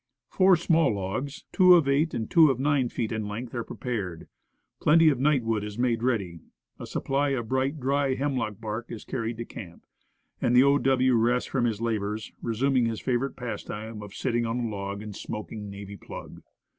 Four small logs, two of eight, and two of nine feet in length, are prepared, plenty of night wood is made ready, a supply of bright, dry hemlock bark is carried to camp, and the O. W. rests from his labors, resuming his favorite pastime of sitting on a log and smoking navy plug.